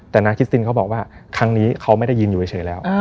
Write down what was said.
แต่นางคิสตินเขาบอกว่าครั้งนี้เขาไม่ได้ยินอยู่เฉยแล้ว